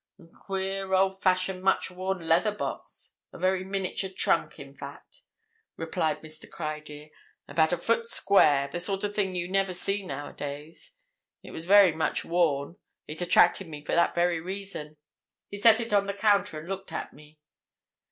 "A queer, old fashioned, much worn leather box—a very miniature trunk, in fact," replied Mr. Criedir. "About a foot square; the sort of thing you never see nowadays. It was very much worn; it attracted me for that very reason. He set it on the counter and looked at me.